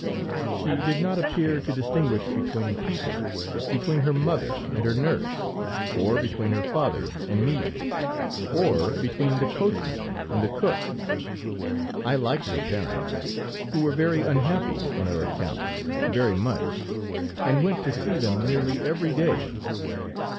"She did not appear to distinguish between people, between her mother and her nurse, or between her father and me, or between the coachman and the cook. I liked her parents, who were very unhappy on her account, very much, and went to see them nearly every day.